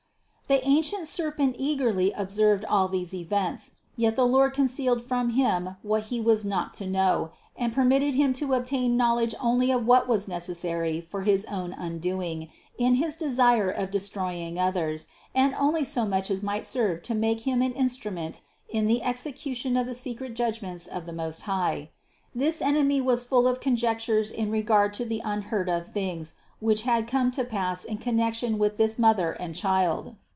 351. The ancient serpent eagerly observed all these events. Yet the Lord concealed from him what he was not to know, and permitted him to obtain knowledge only of what was necessary for his own undoing in his desire of destroying others and only so much as might serve to make him an instrument in the execution of the secret judgments of the Most High. This enemy was full of conjectures in regard to the unheard of things, which had come to pass in connection with this Mother and Child.